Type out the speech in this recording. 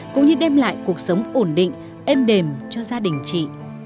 cũng như đem lại cuộc sống ổn định êm đềm cho gia đình chị